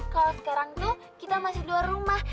kalau sekarang tuh kita masih luar rumah